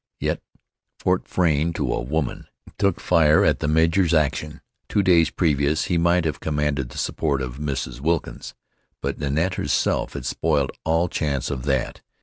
Yet Fort Frayne, to a woman, took fire at the major's action. Two days previous he might have commanded the support of Mrs. Wilkins, but Nanette herself had spoiled all chance of that.